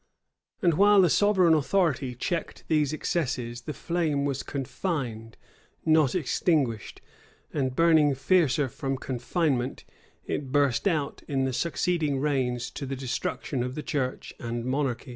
[*] And while the sovereign authority checked these excesses, the flame was confined, not extinguished; and burning fiercer from confinement, it burst out in the succeeding reigns to the destruction of the church and monarchy.